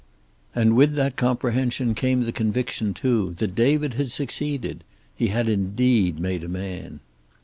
And with that comprehension came the conviction, too, that David had succeeded. He had indeed made a man.